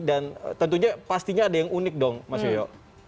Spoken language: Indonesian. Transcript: dan tentunya pastinya ada yang unik dong mas yoyo